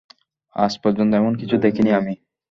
আজ পর্যন্ত এমন কিছু দেখিনি আমি।